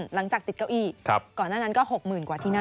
หลังจากติดเก้าอี้ก่อนหน้านั้นก็๖๐๐๐กว่าที่นั่ง